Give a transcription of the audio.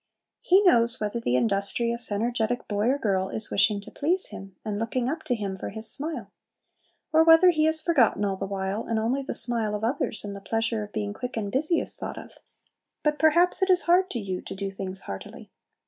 He knows whether the industrious energetic boy or girl is wishing to please Him, and looking up to Him for His smile; or whether He is forgotten all the while, and only the smile of others and the pleasure of being quick and busy is thought of. But perhaps it is hard to you to do things heartily.